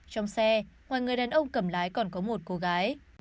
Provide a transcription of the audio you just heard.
trong xe ngoài người đàn ông cầm lái còn có một cô gái